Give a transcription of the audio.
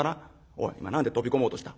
おい今何で飛び込もうとした？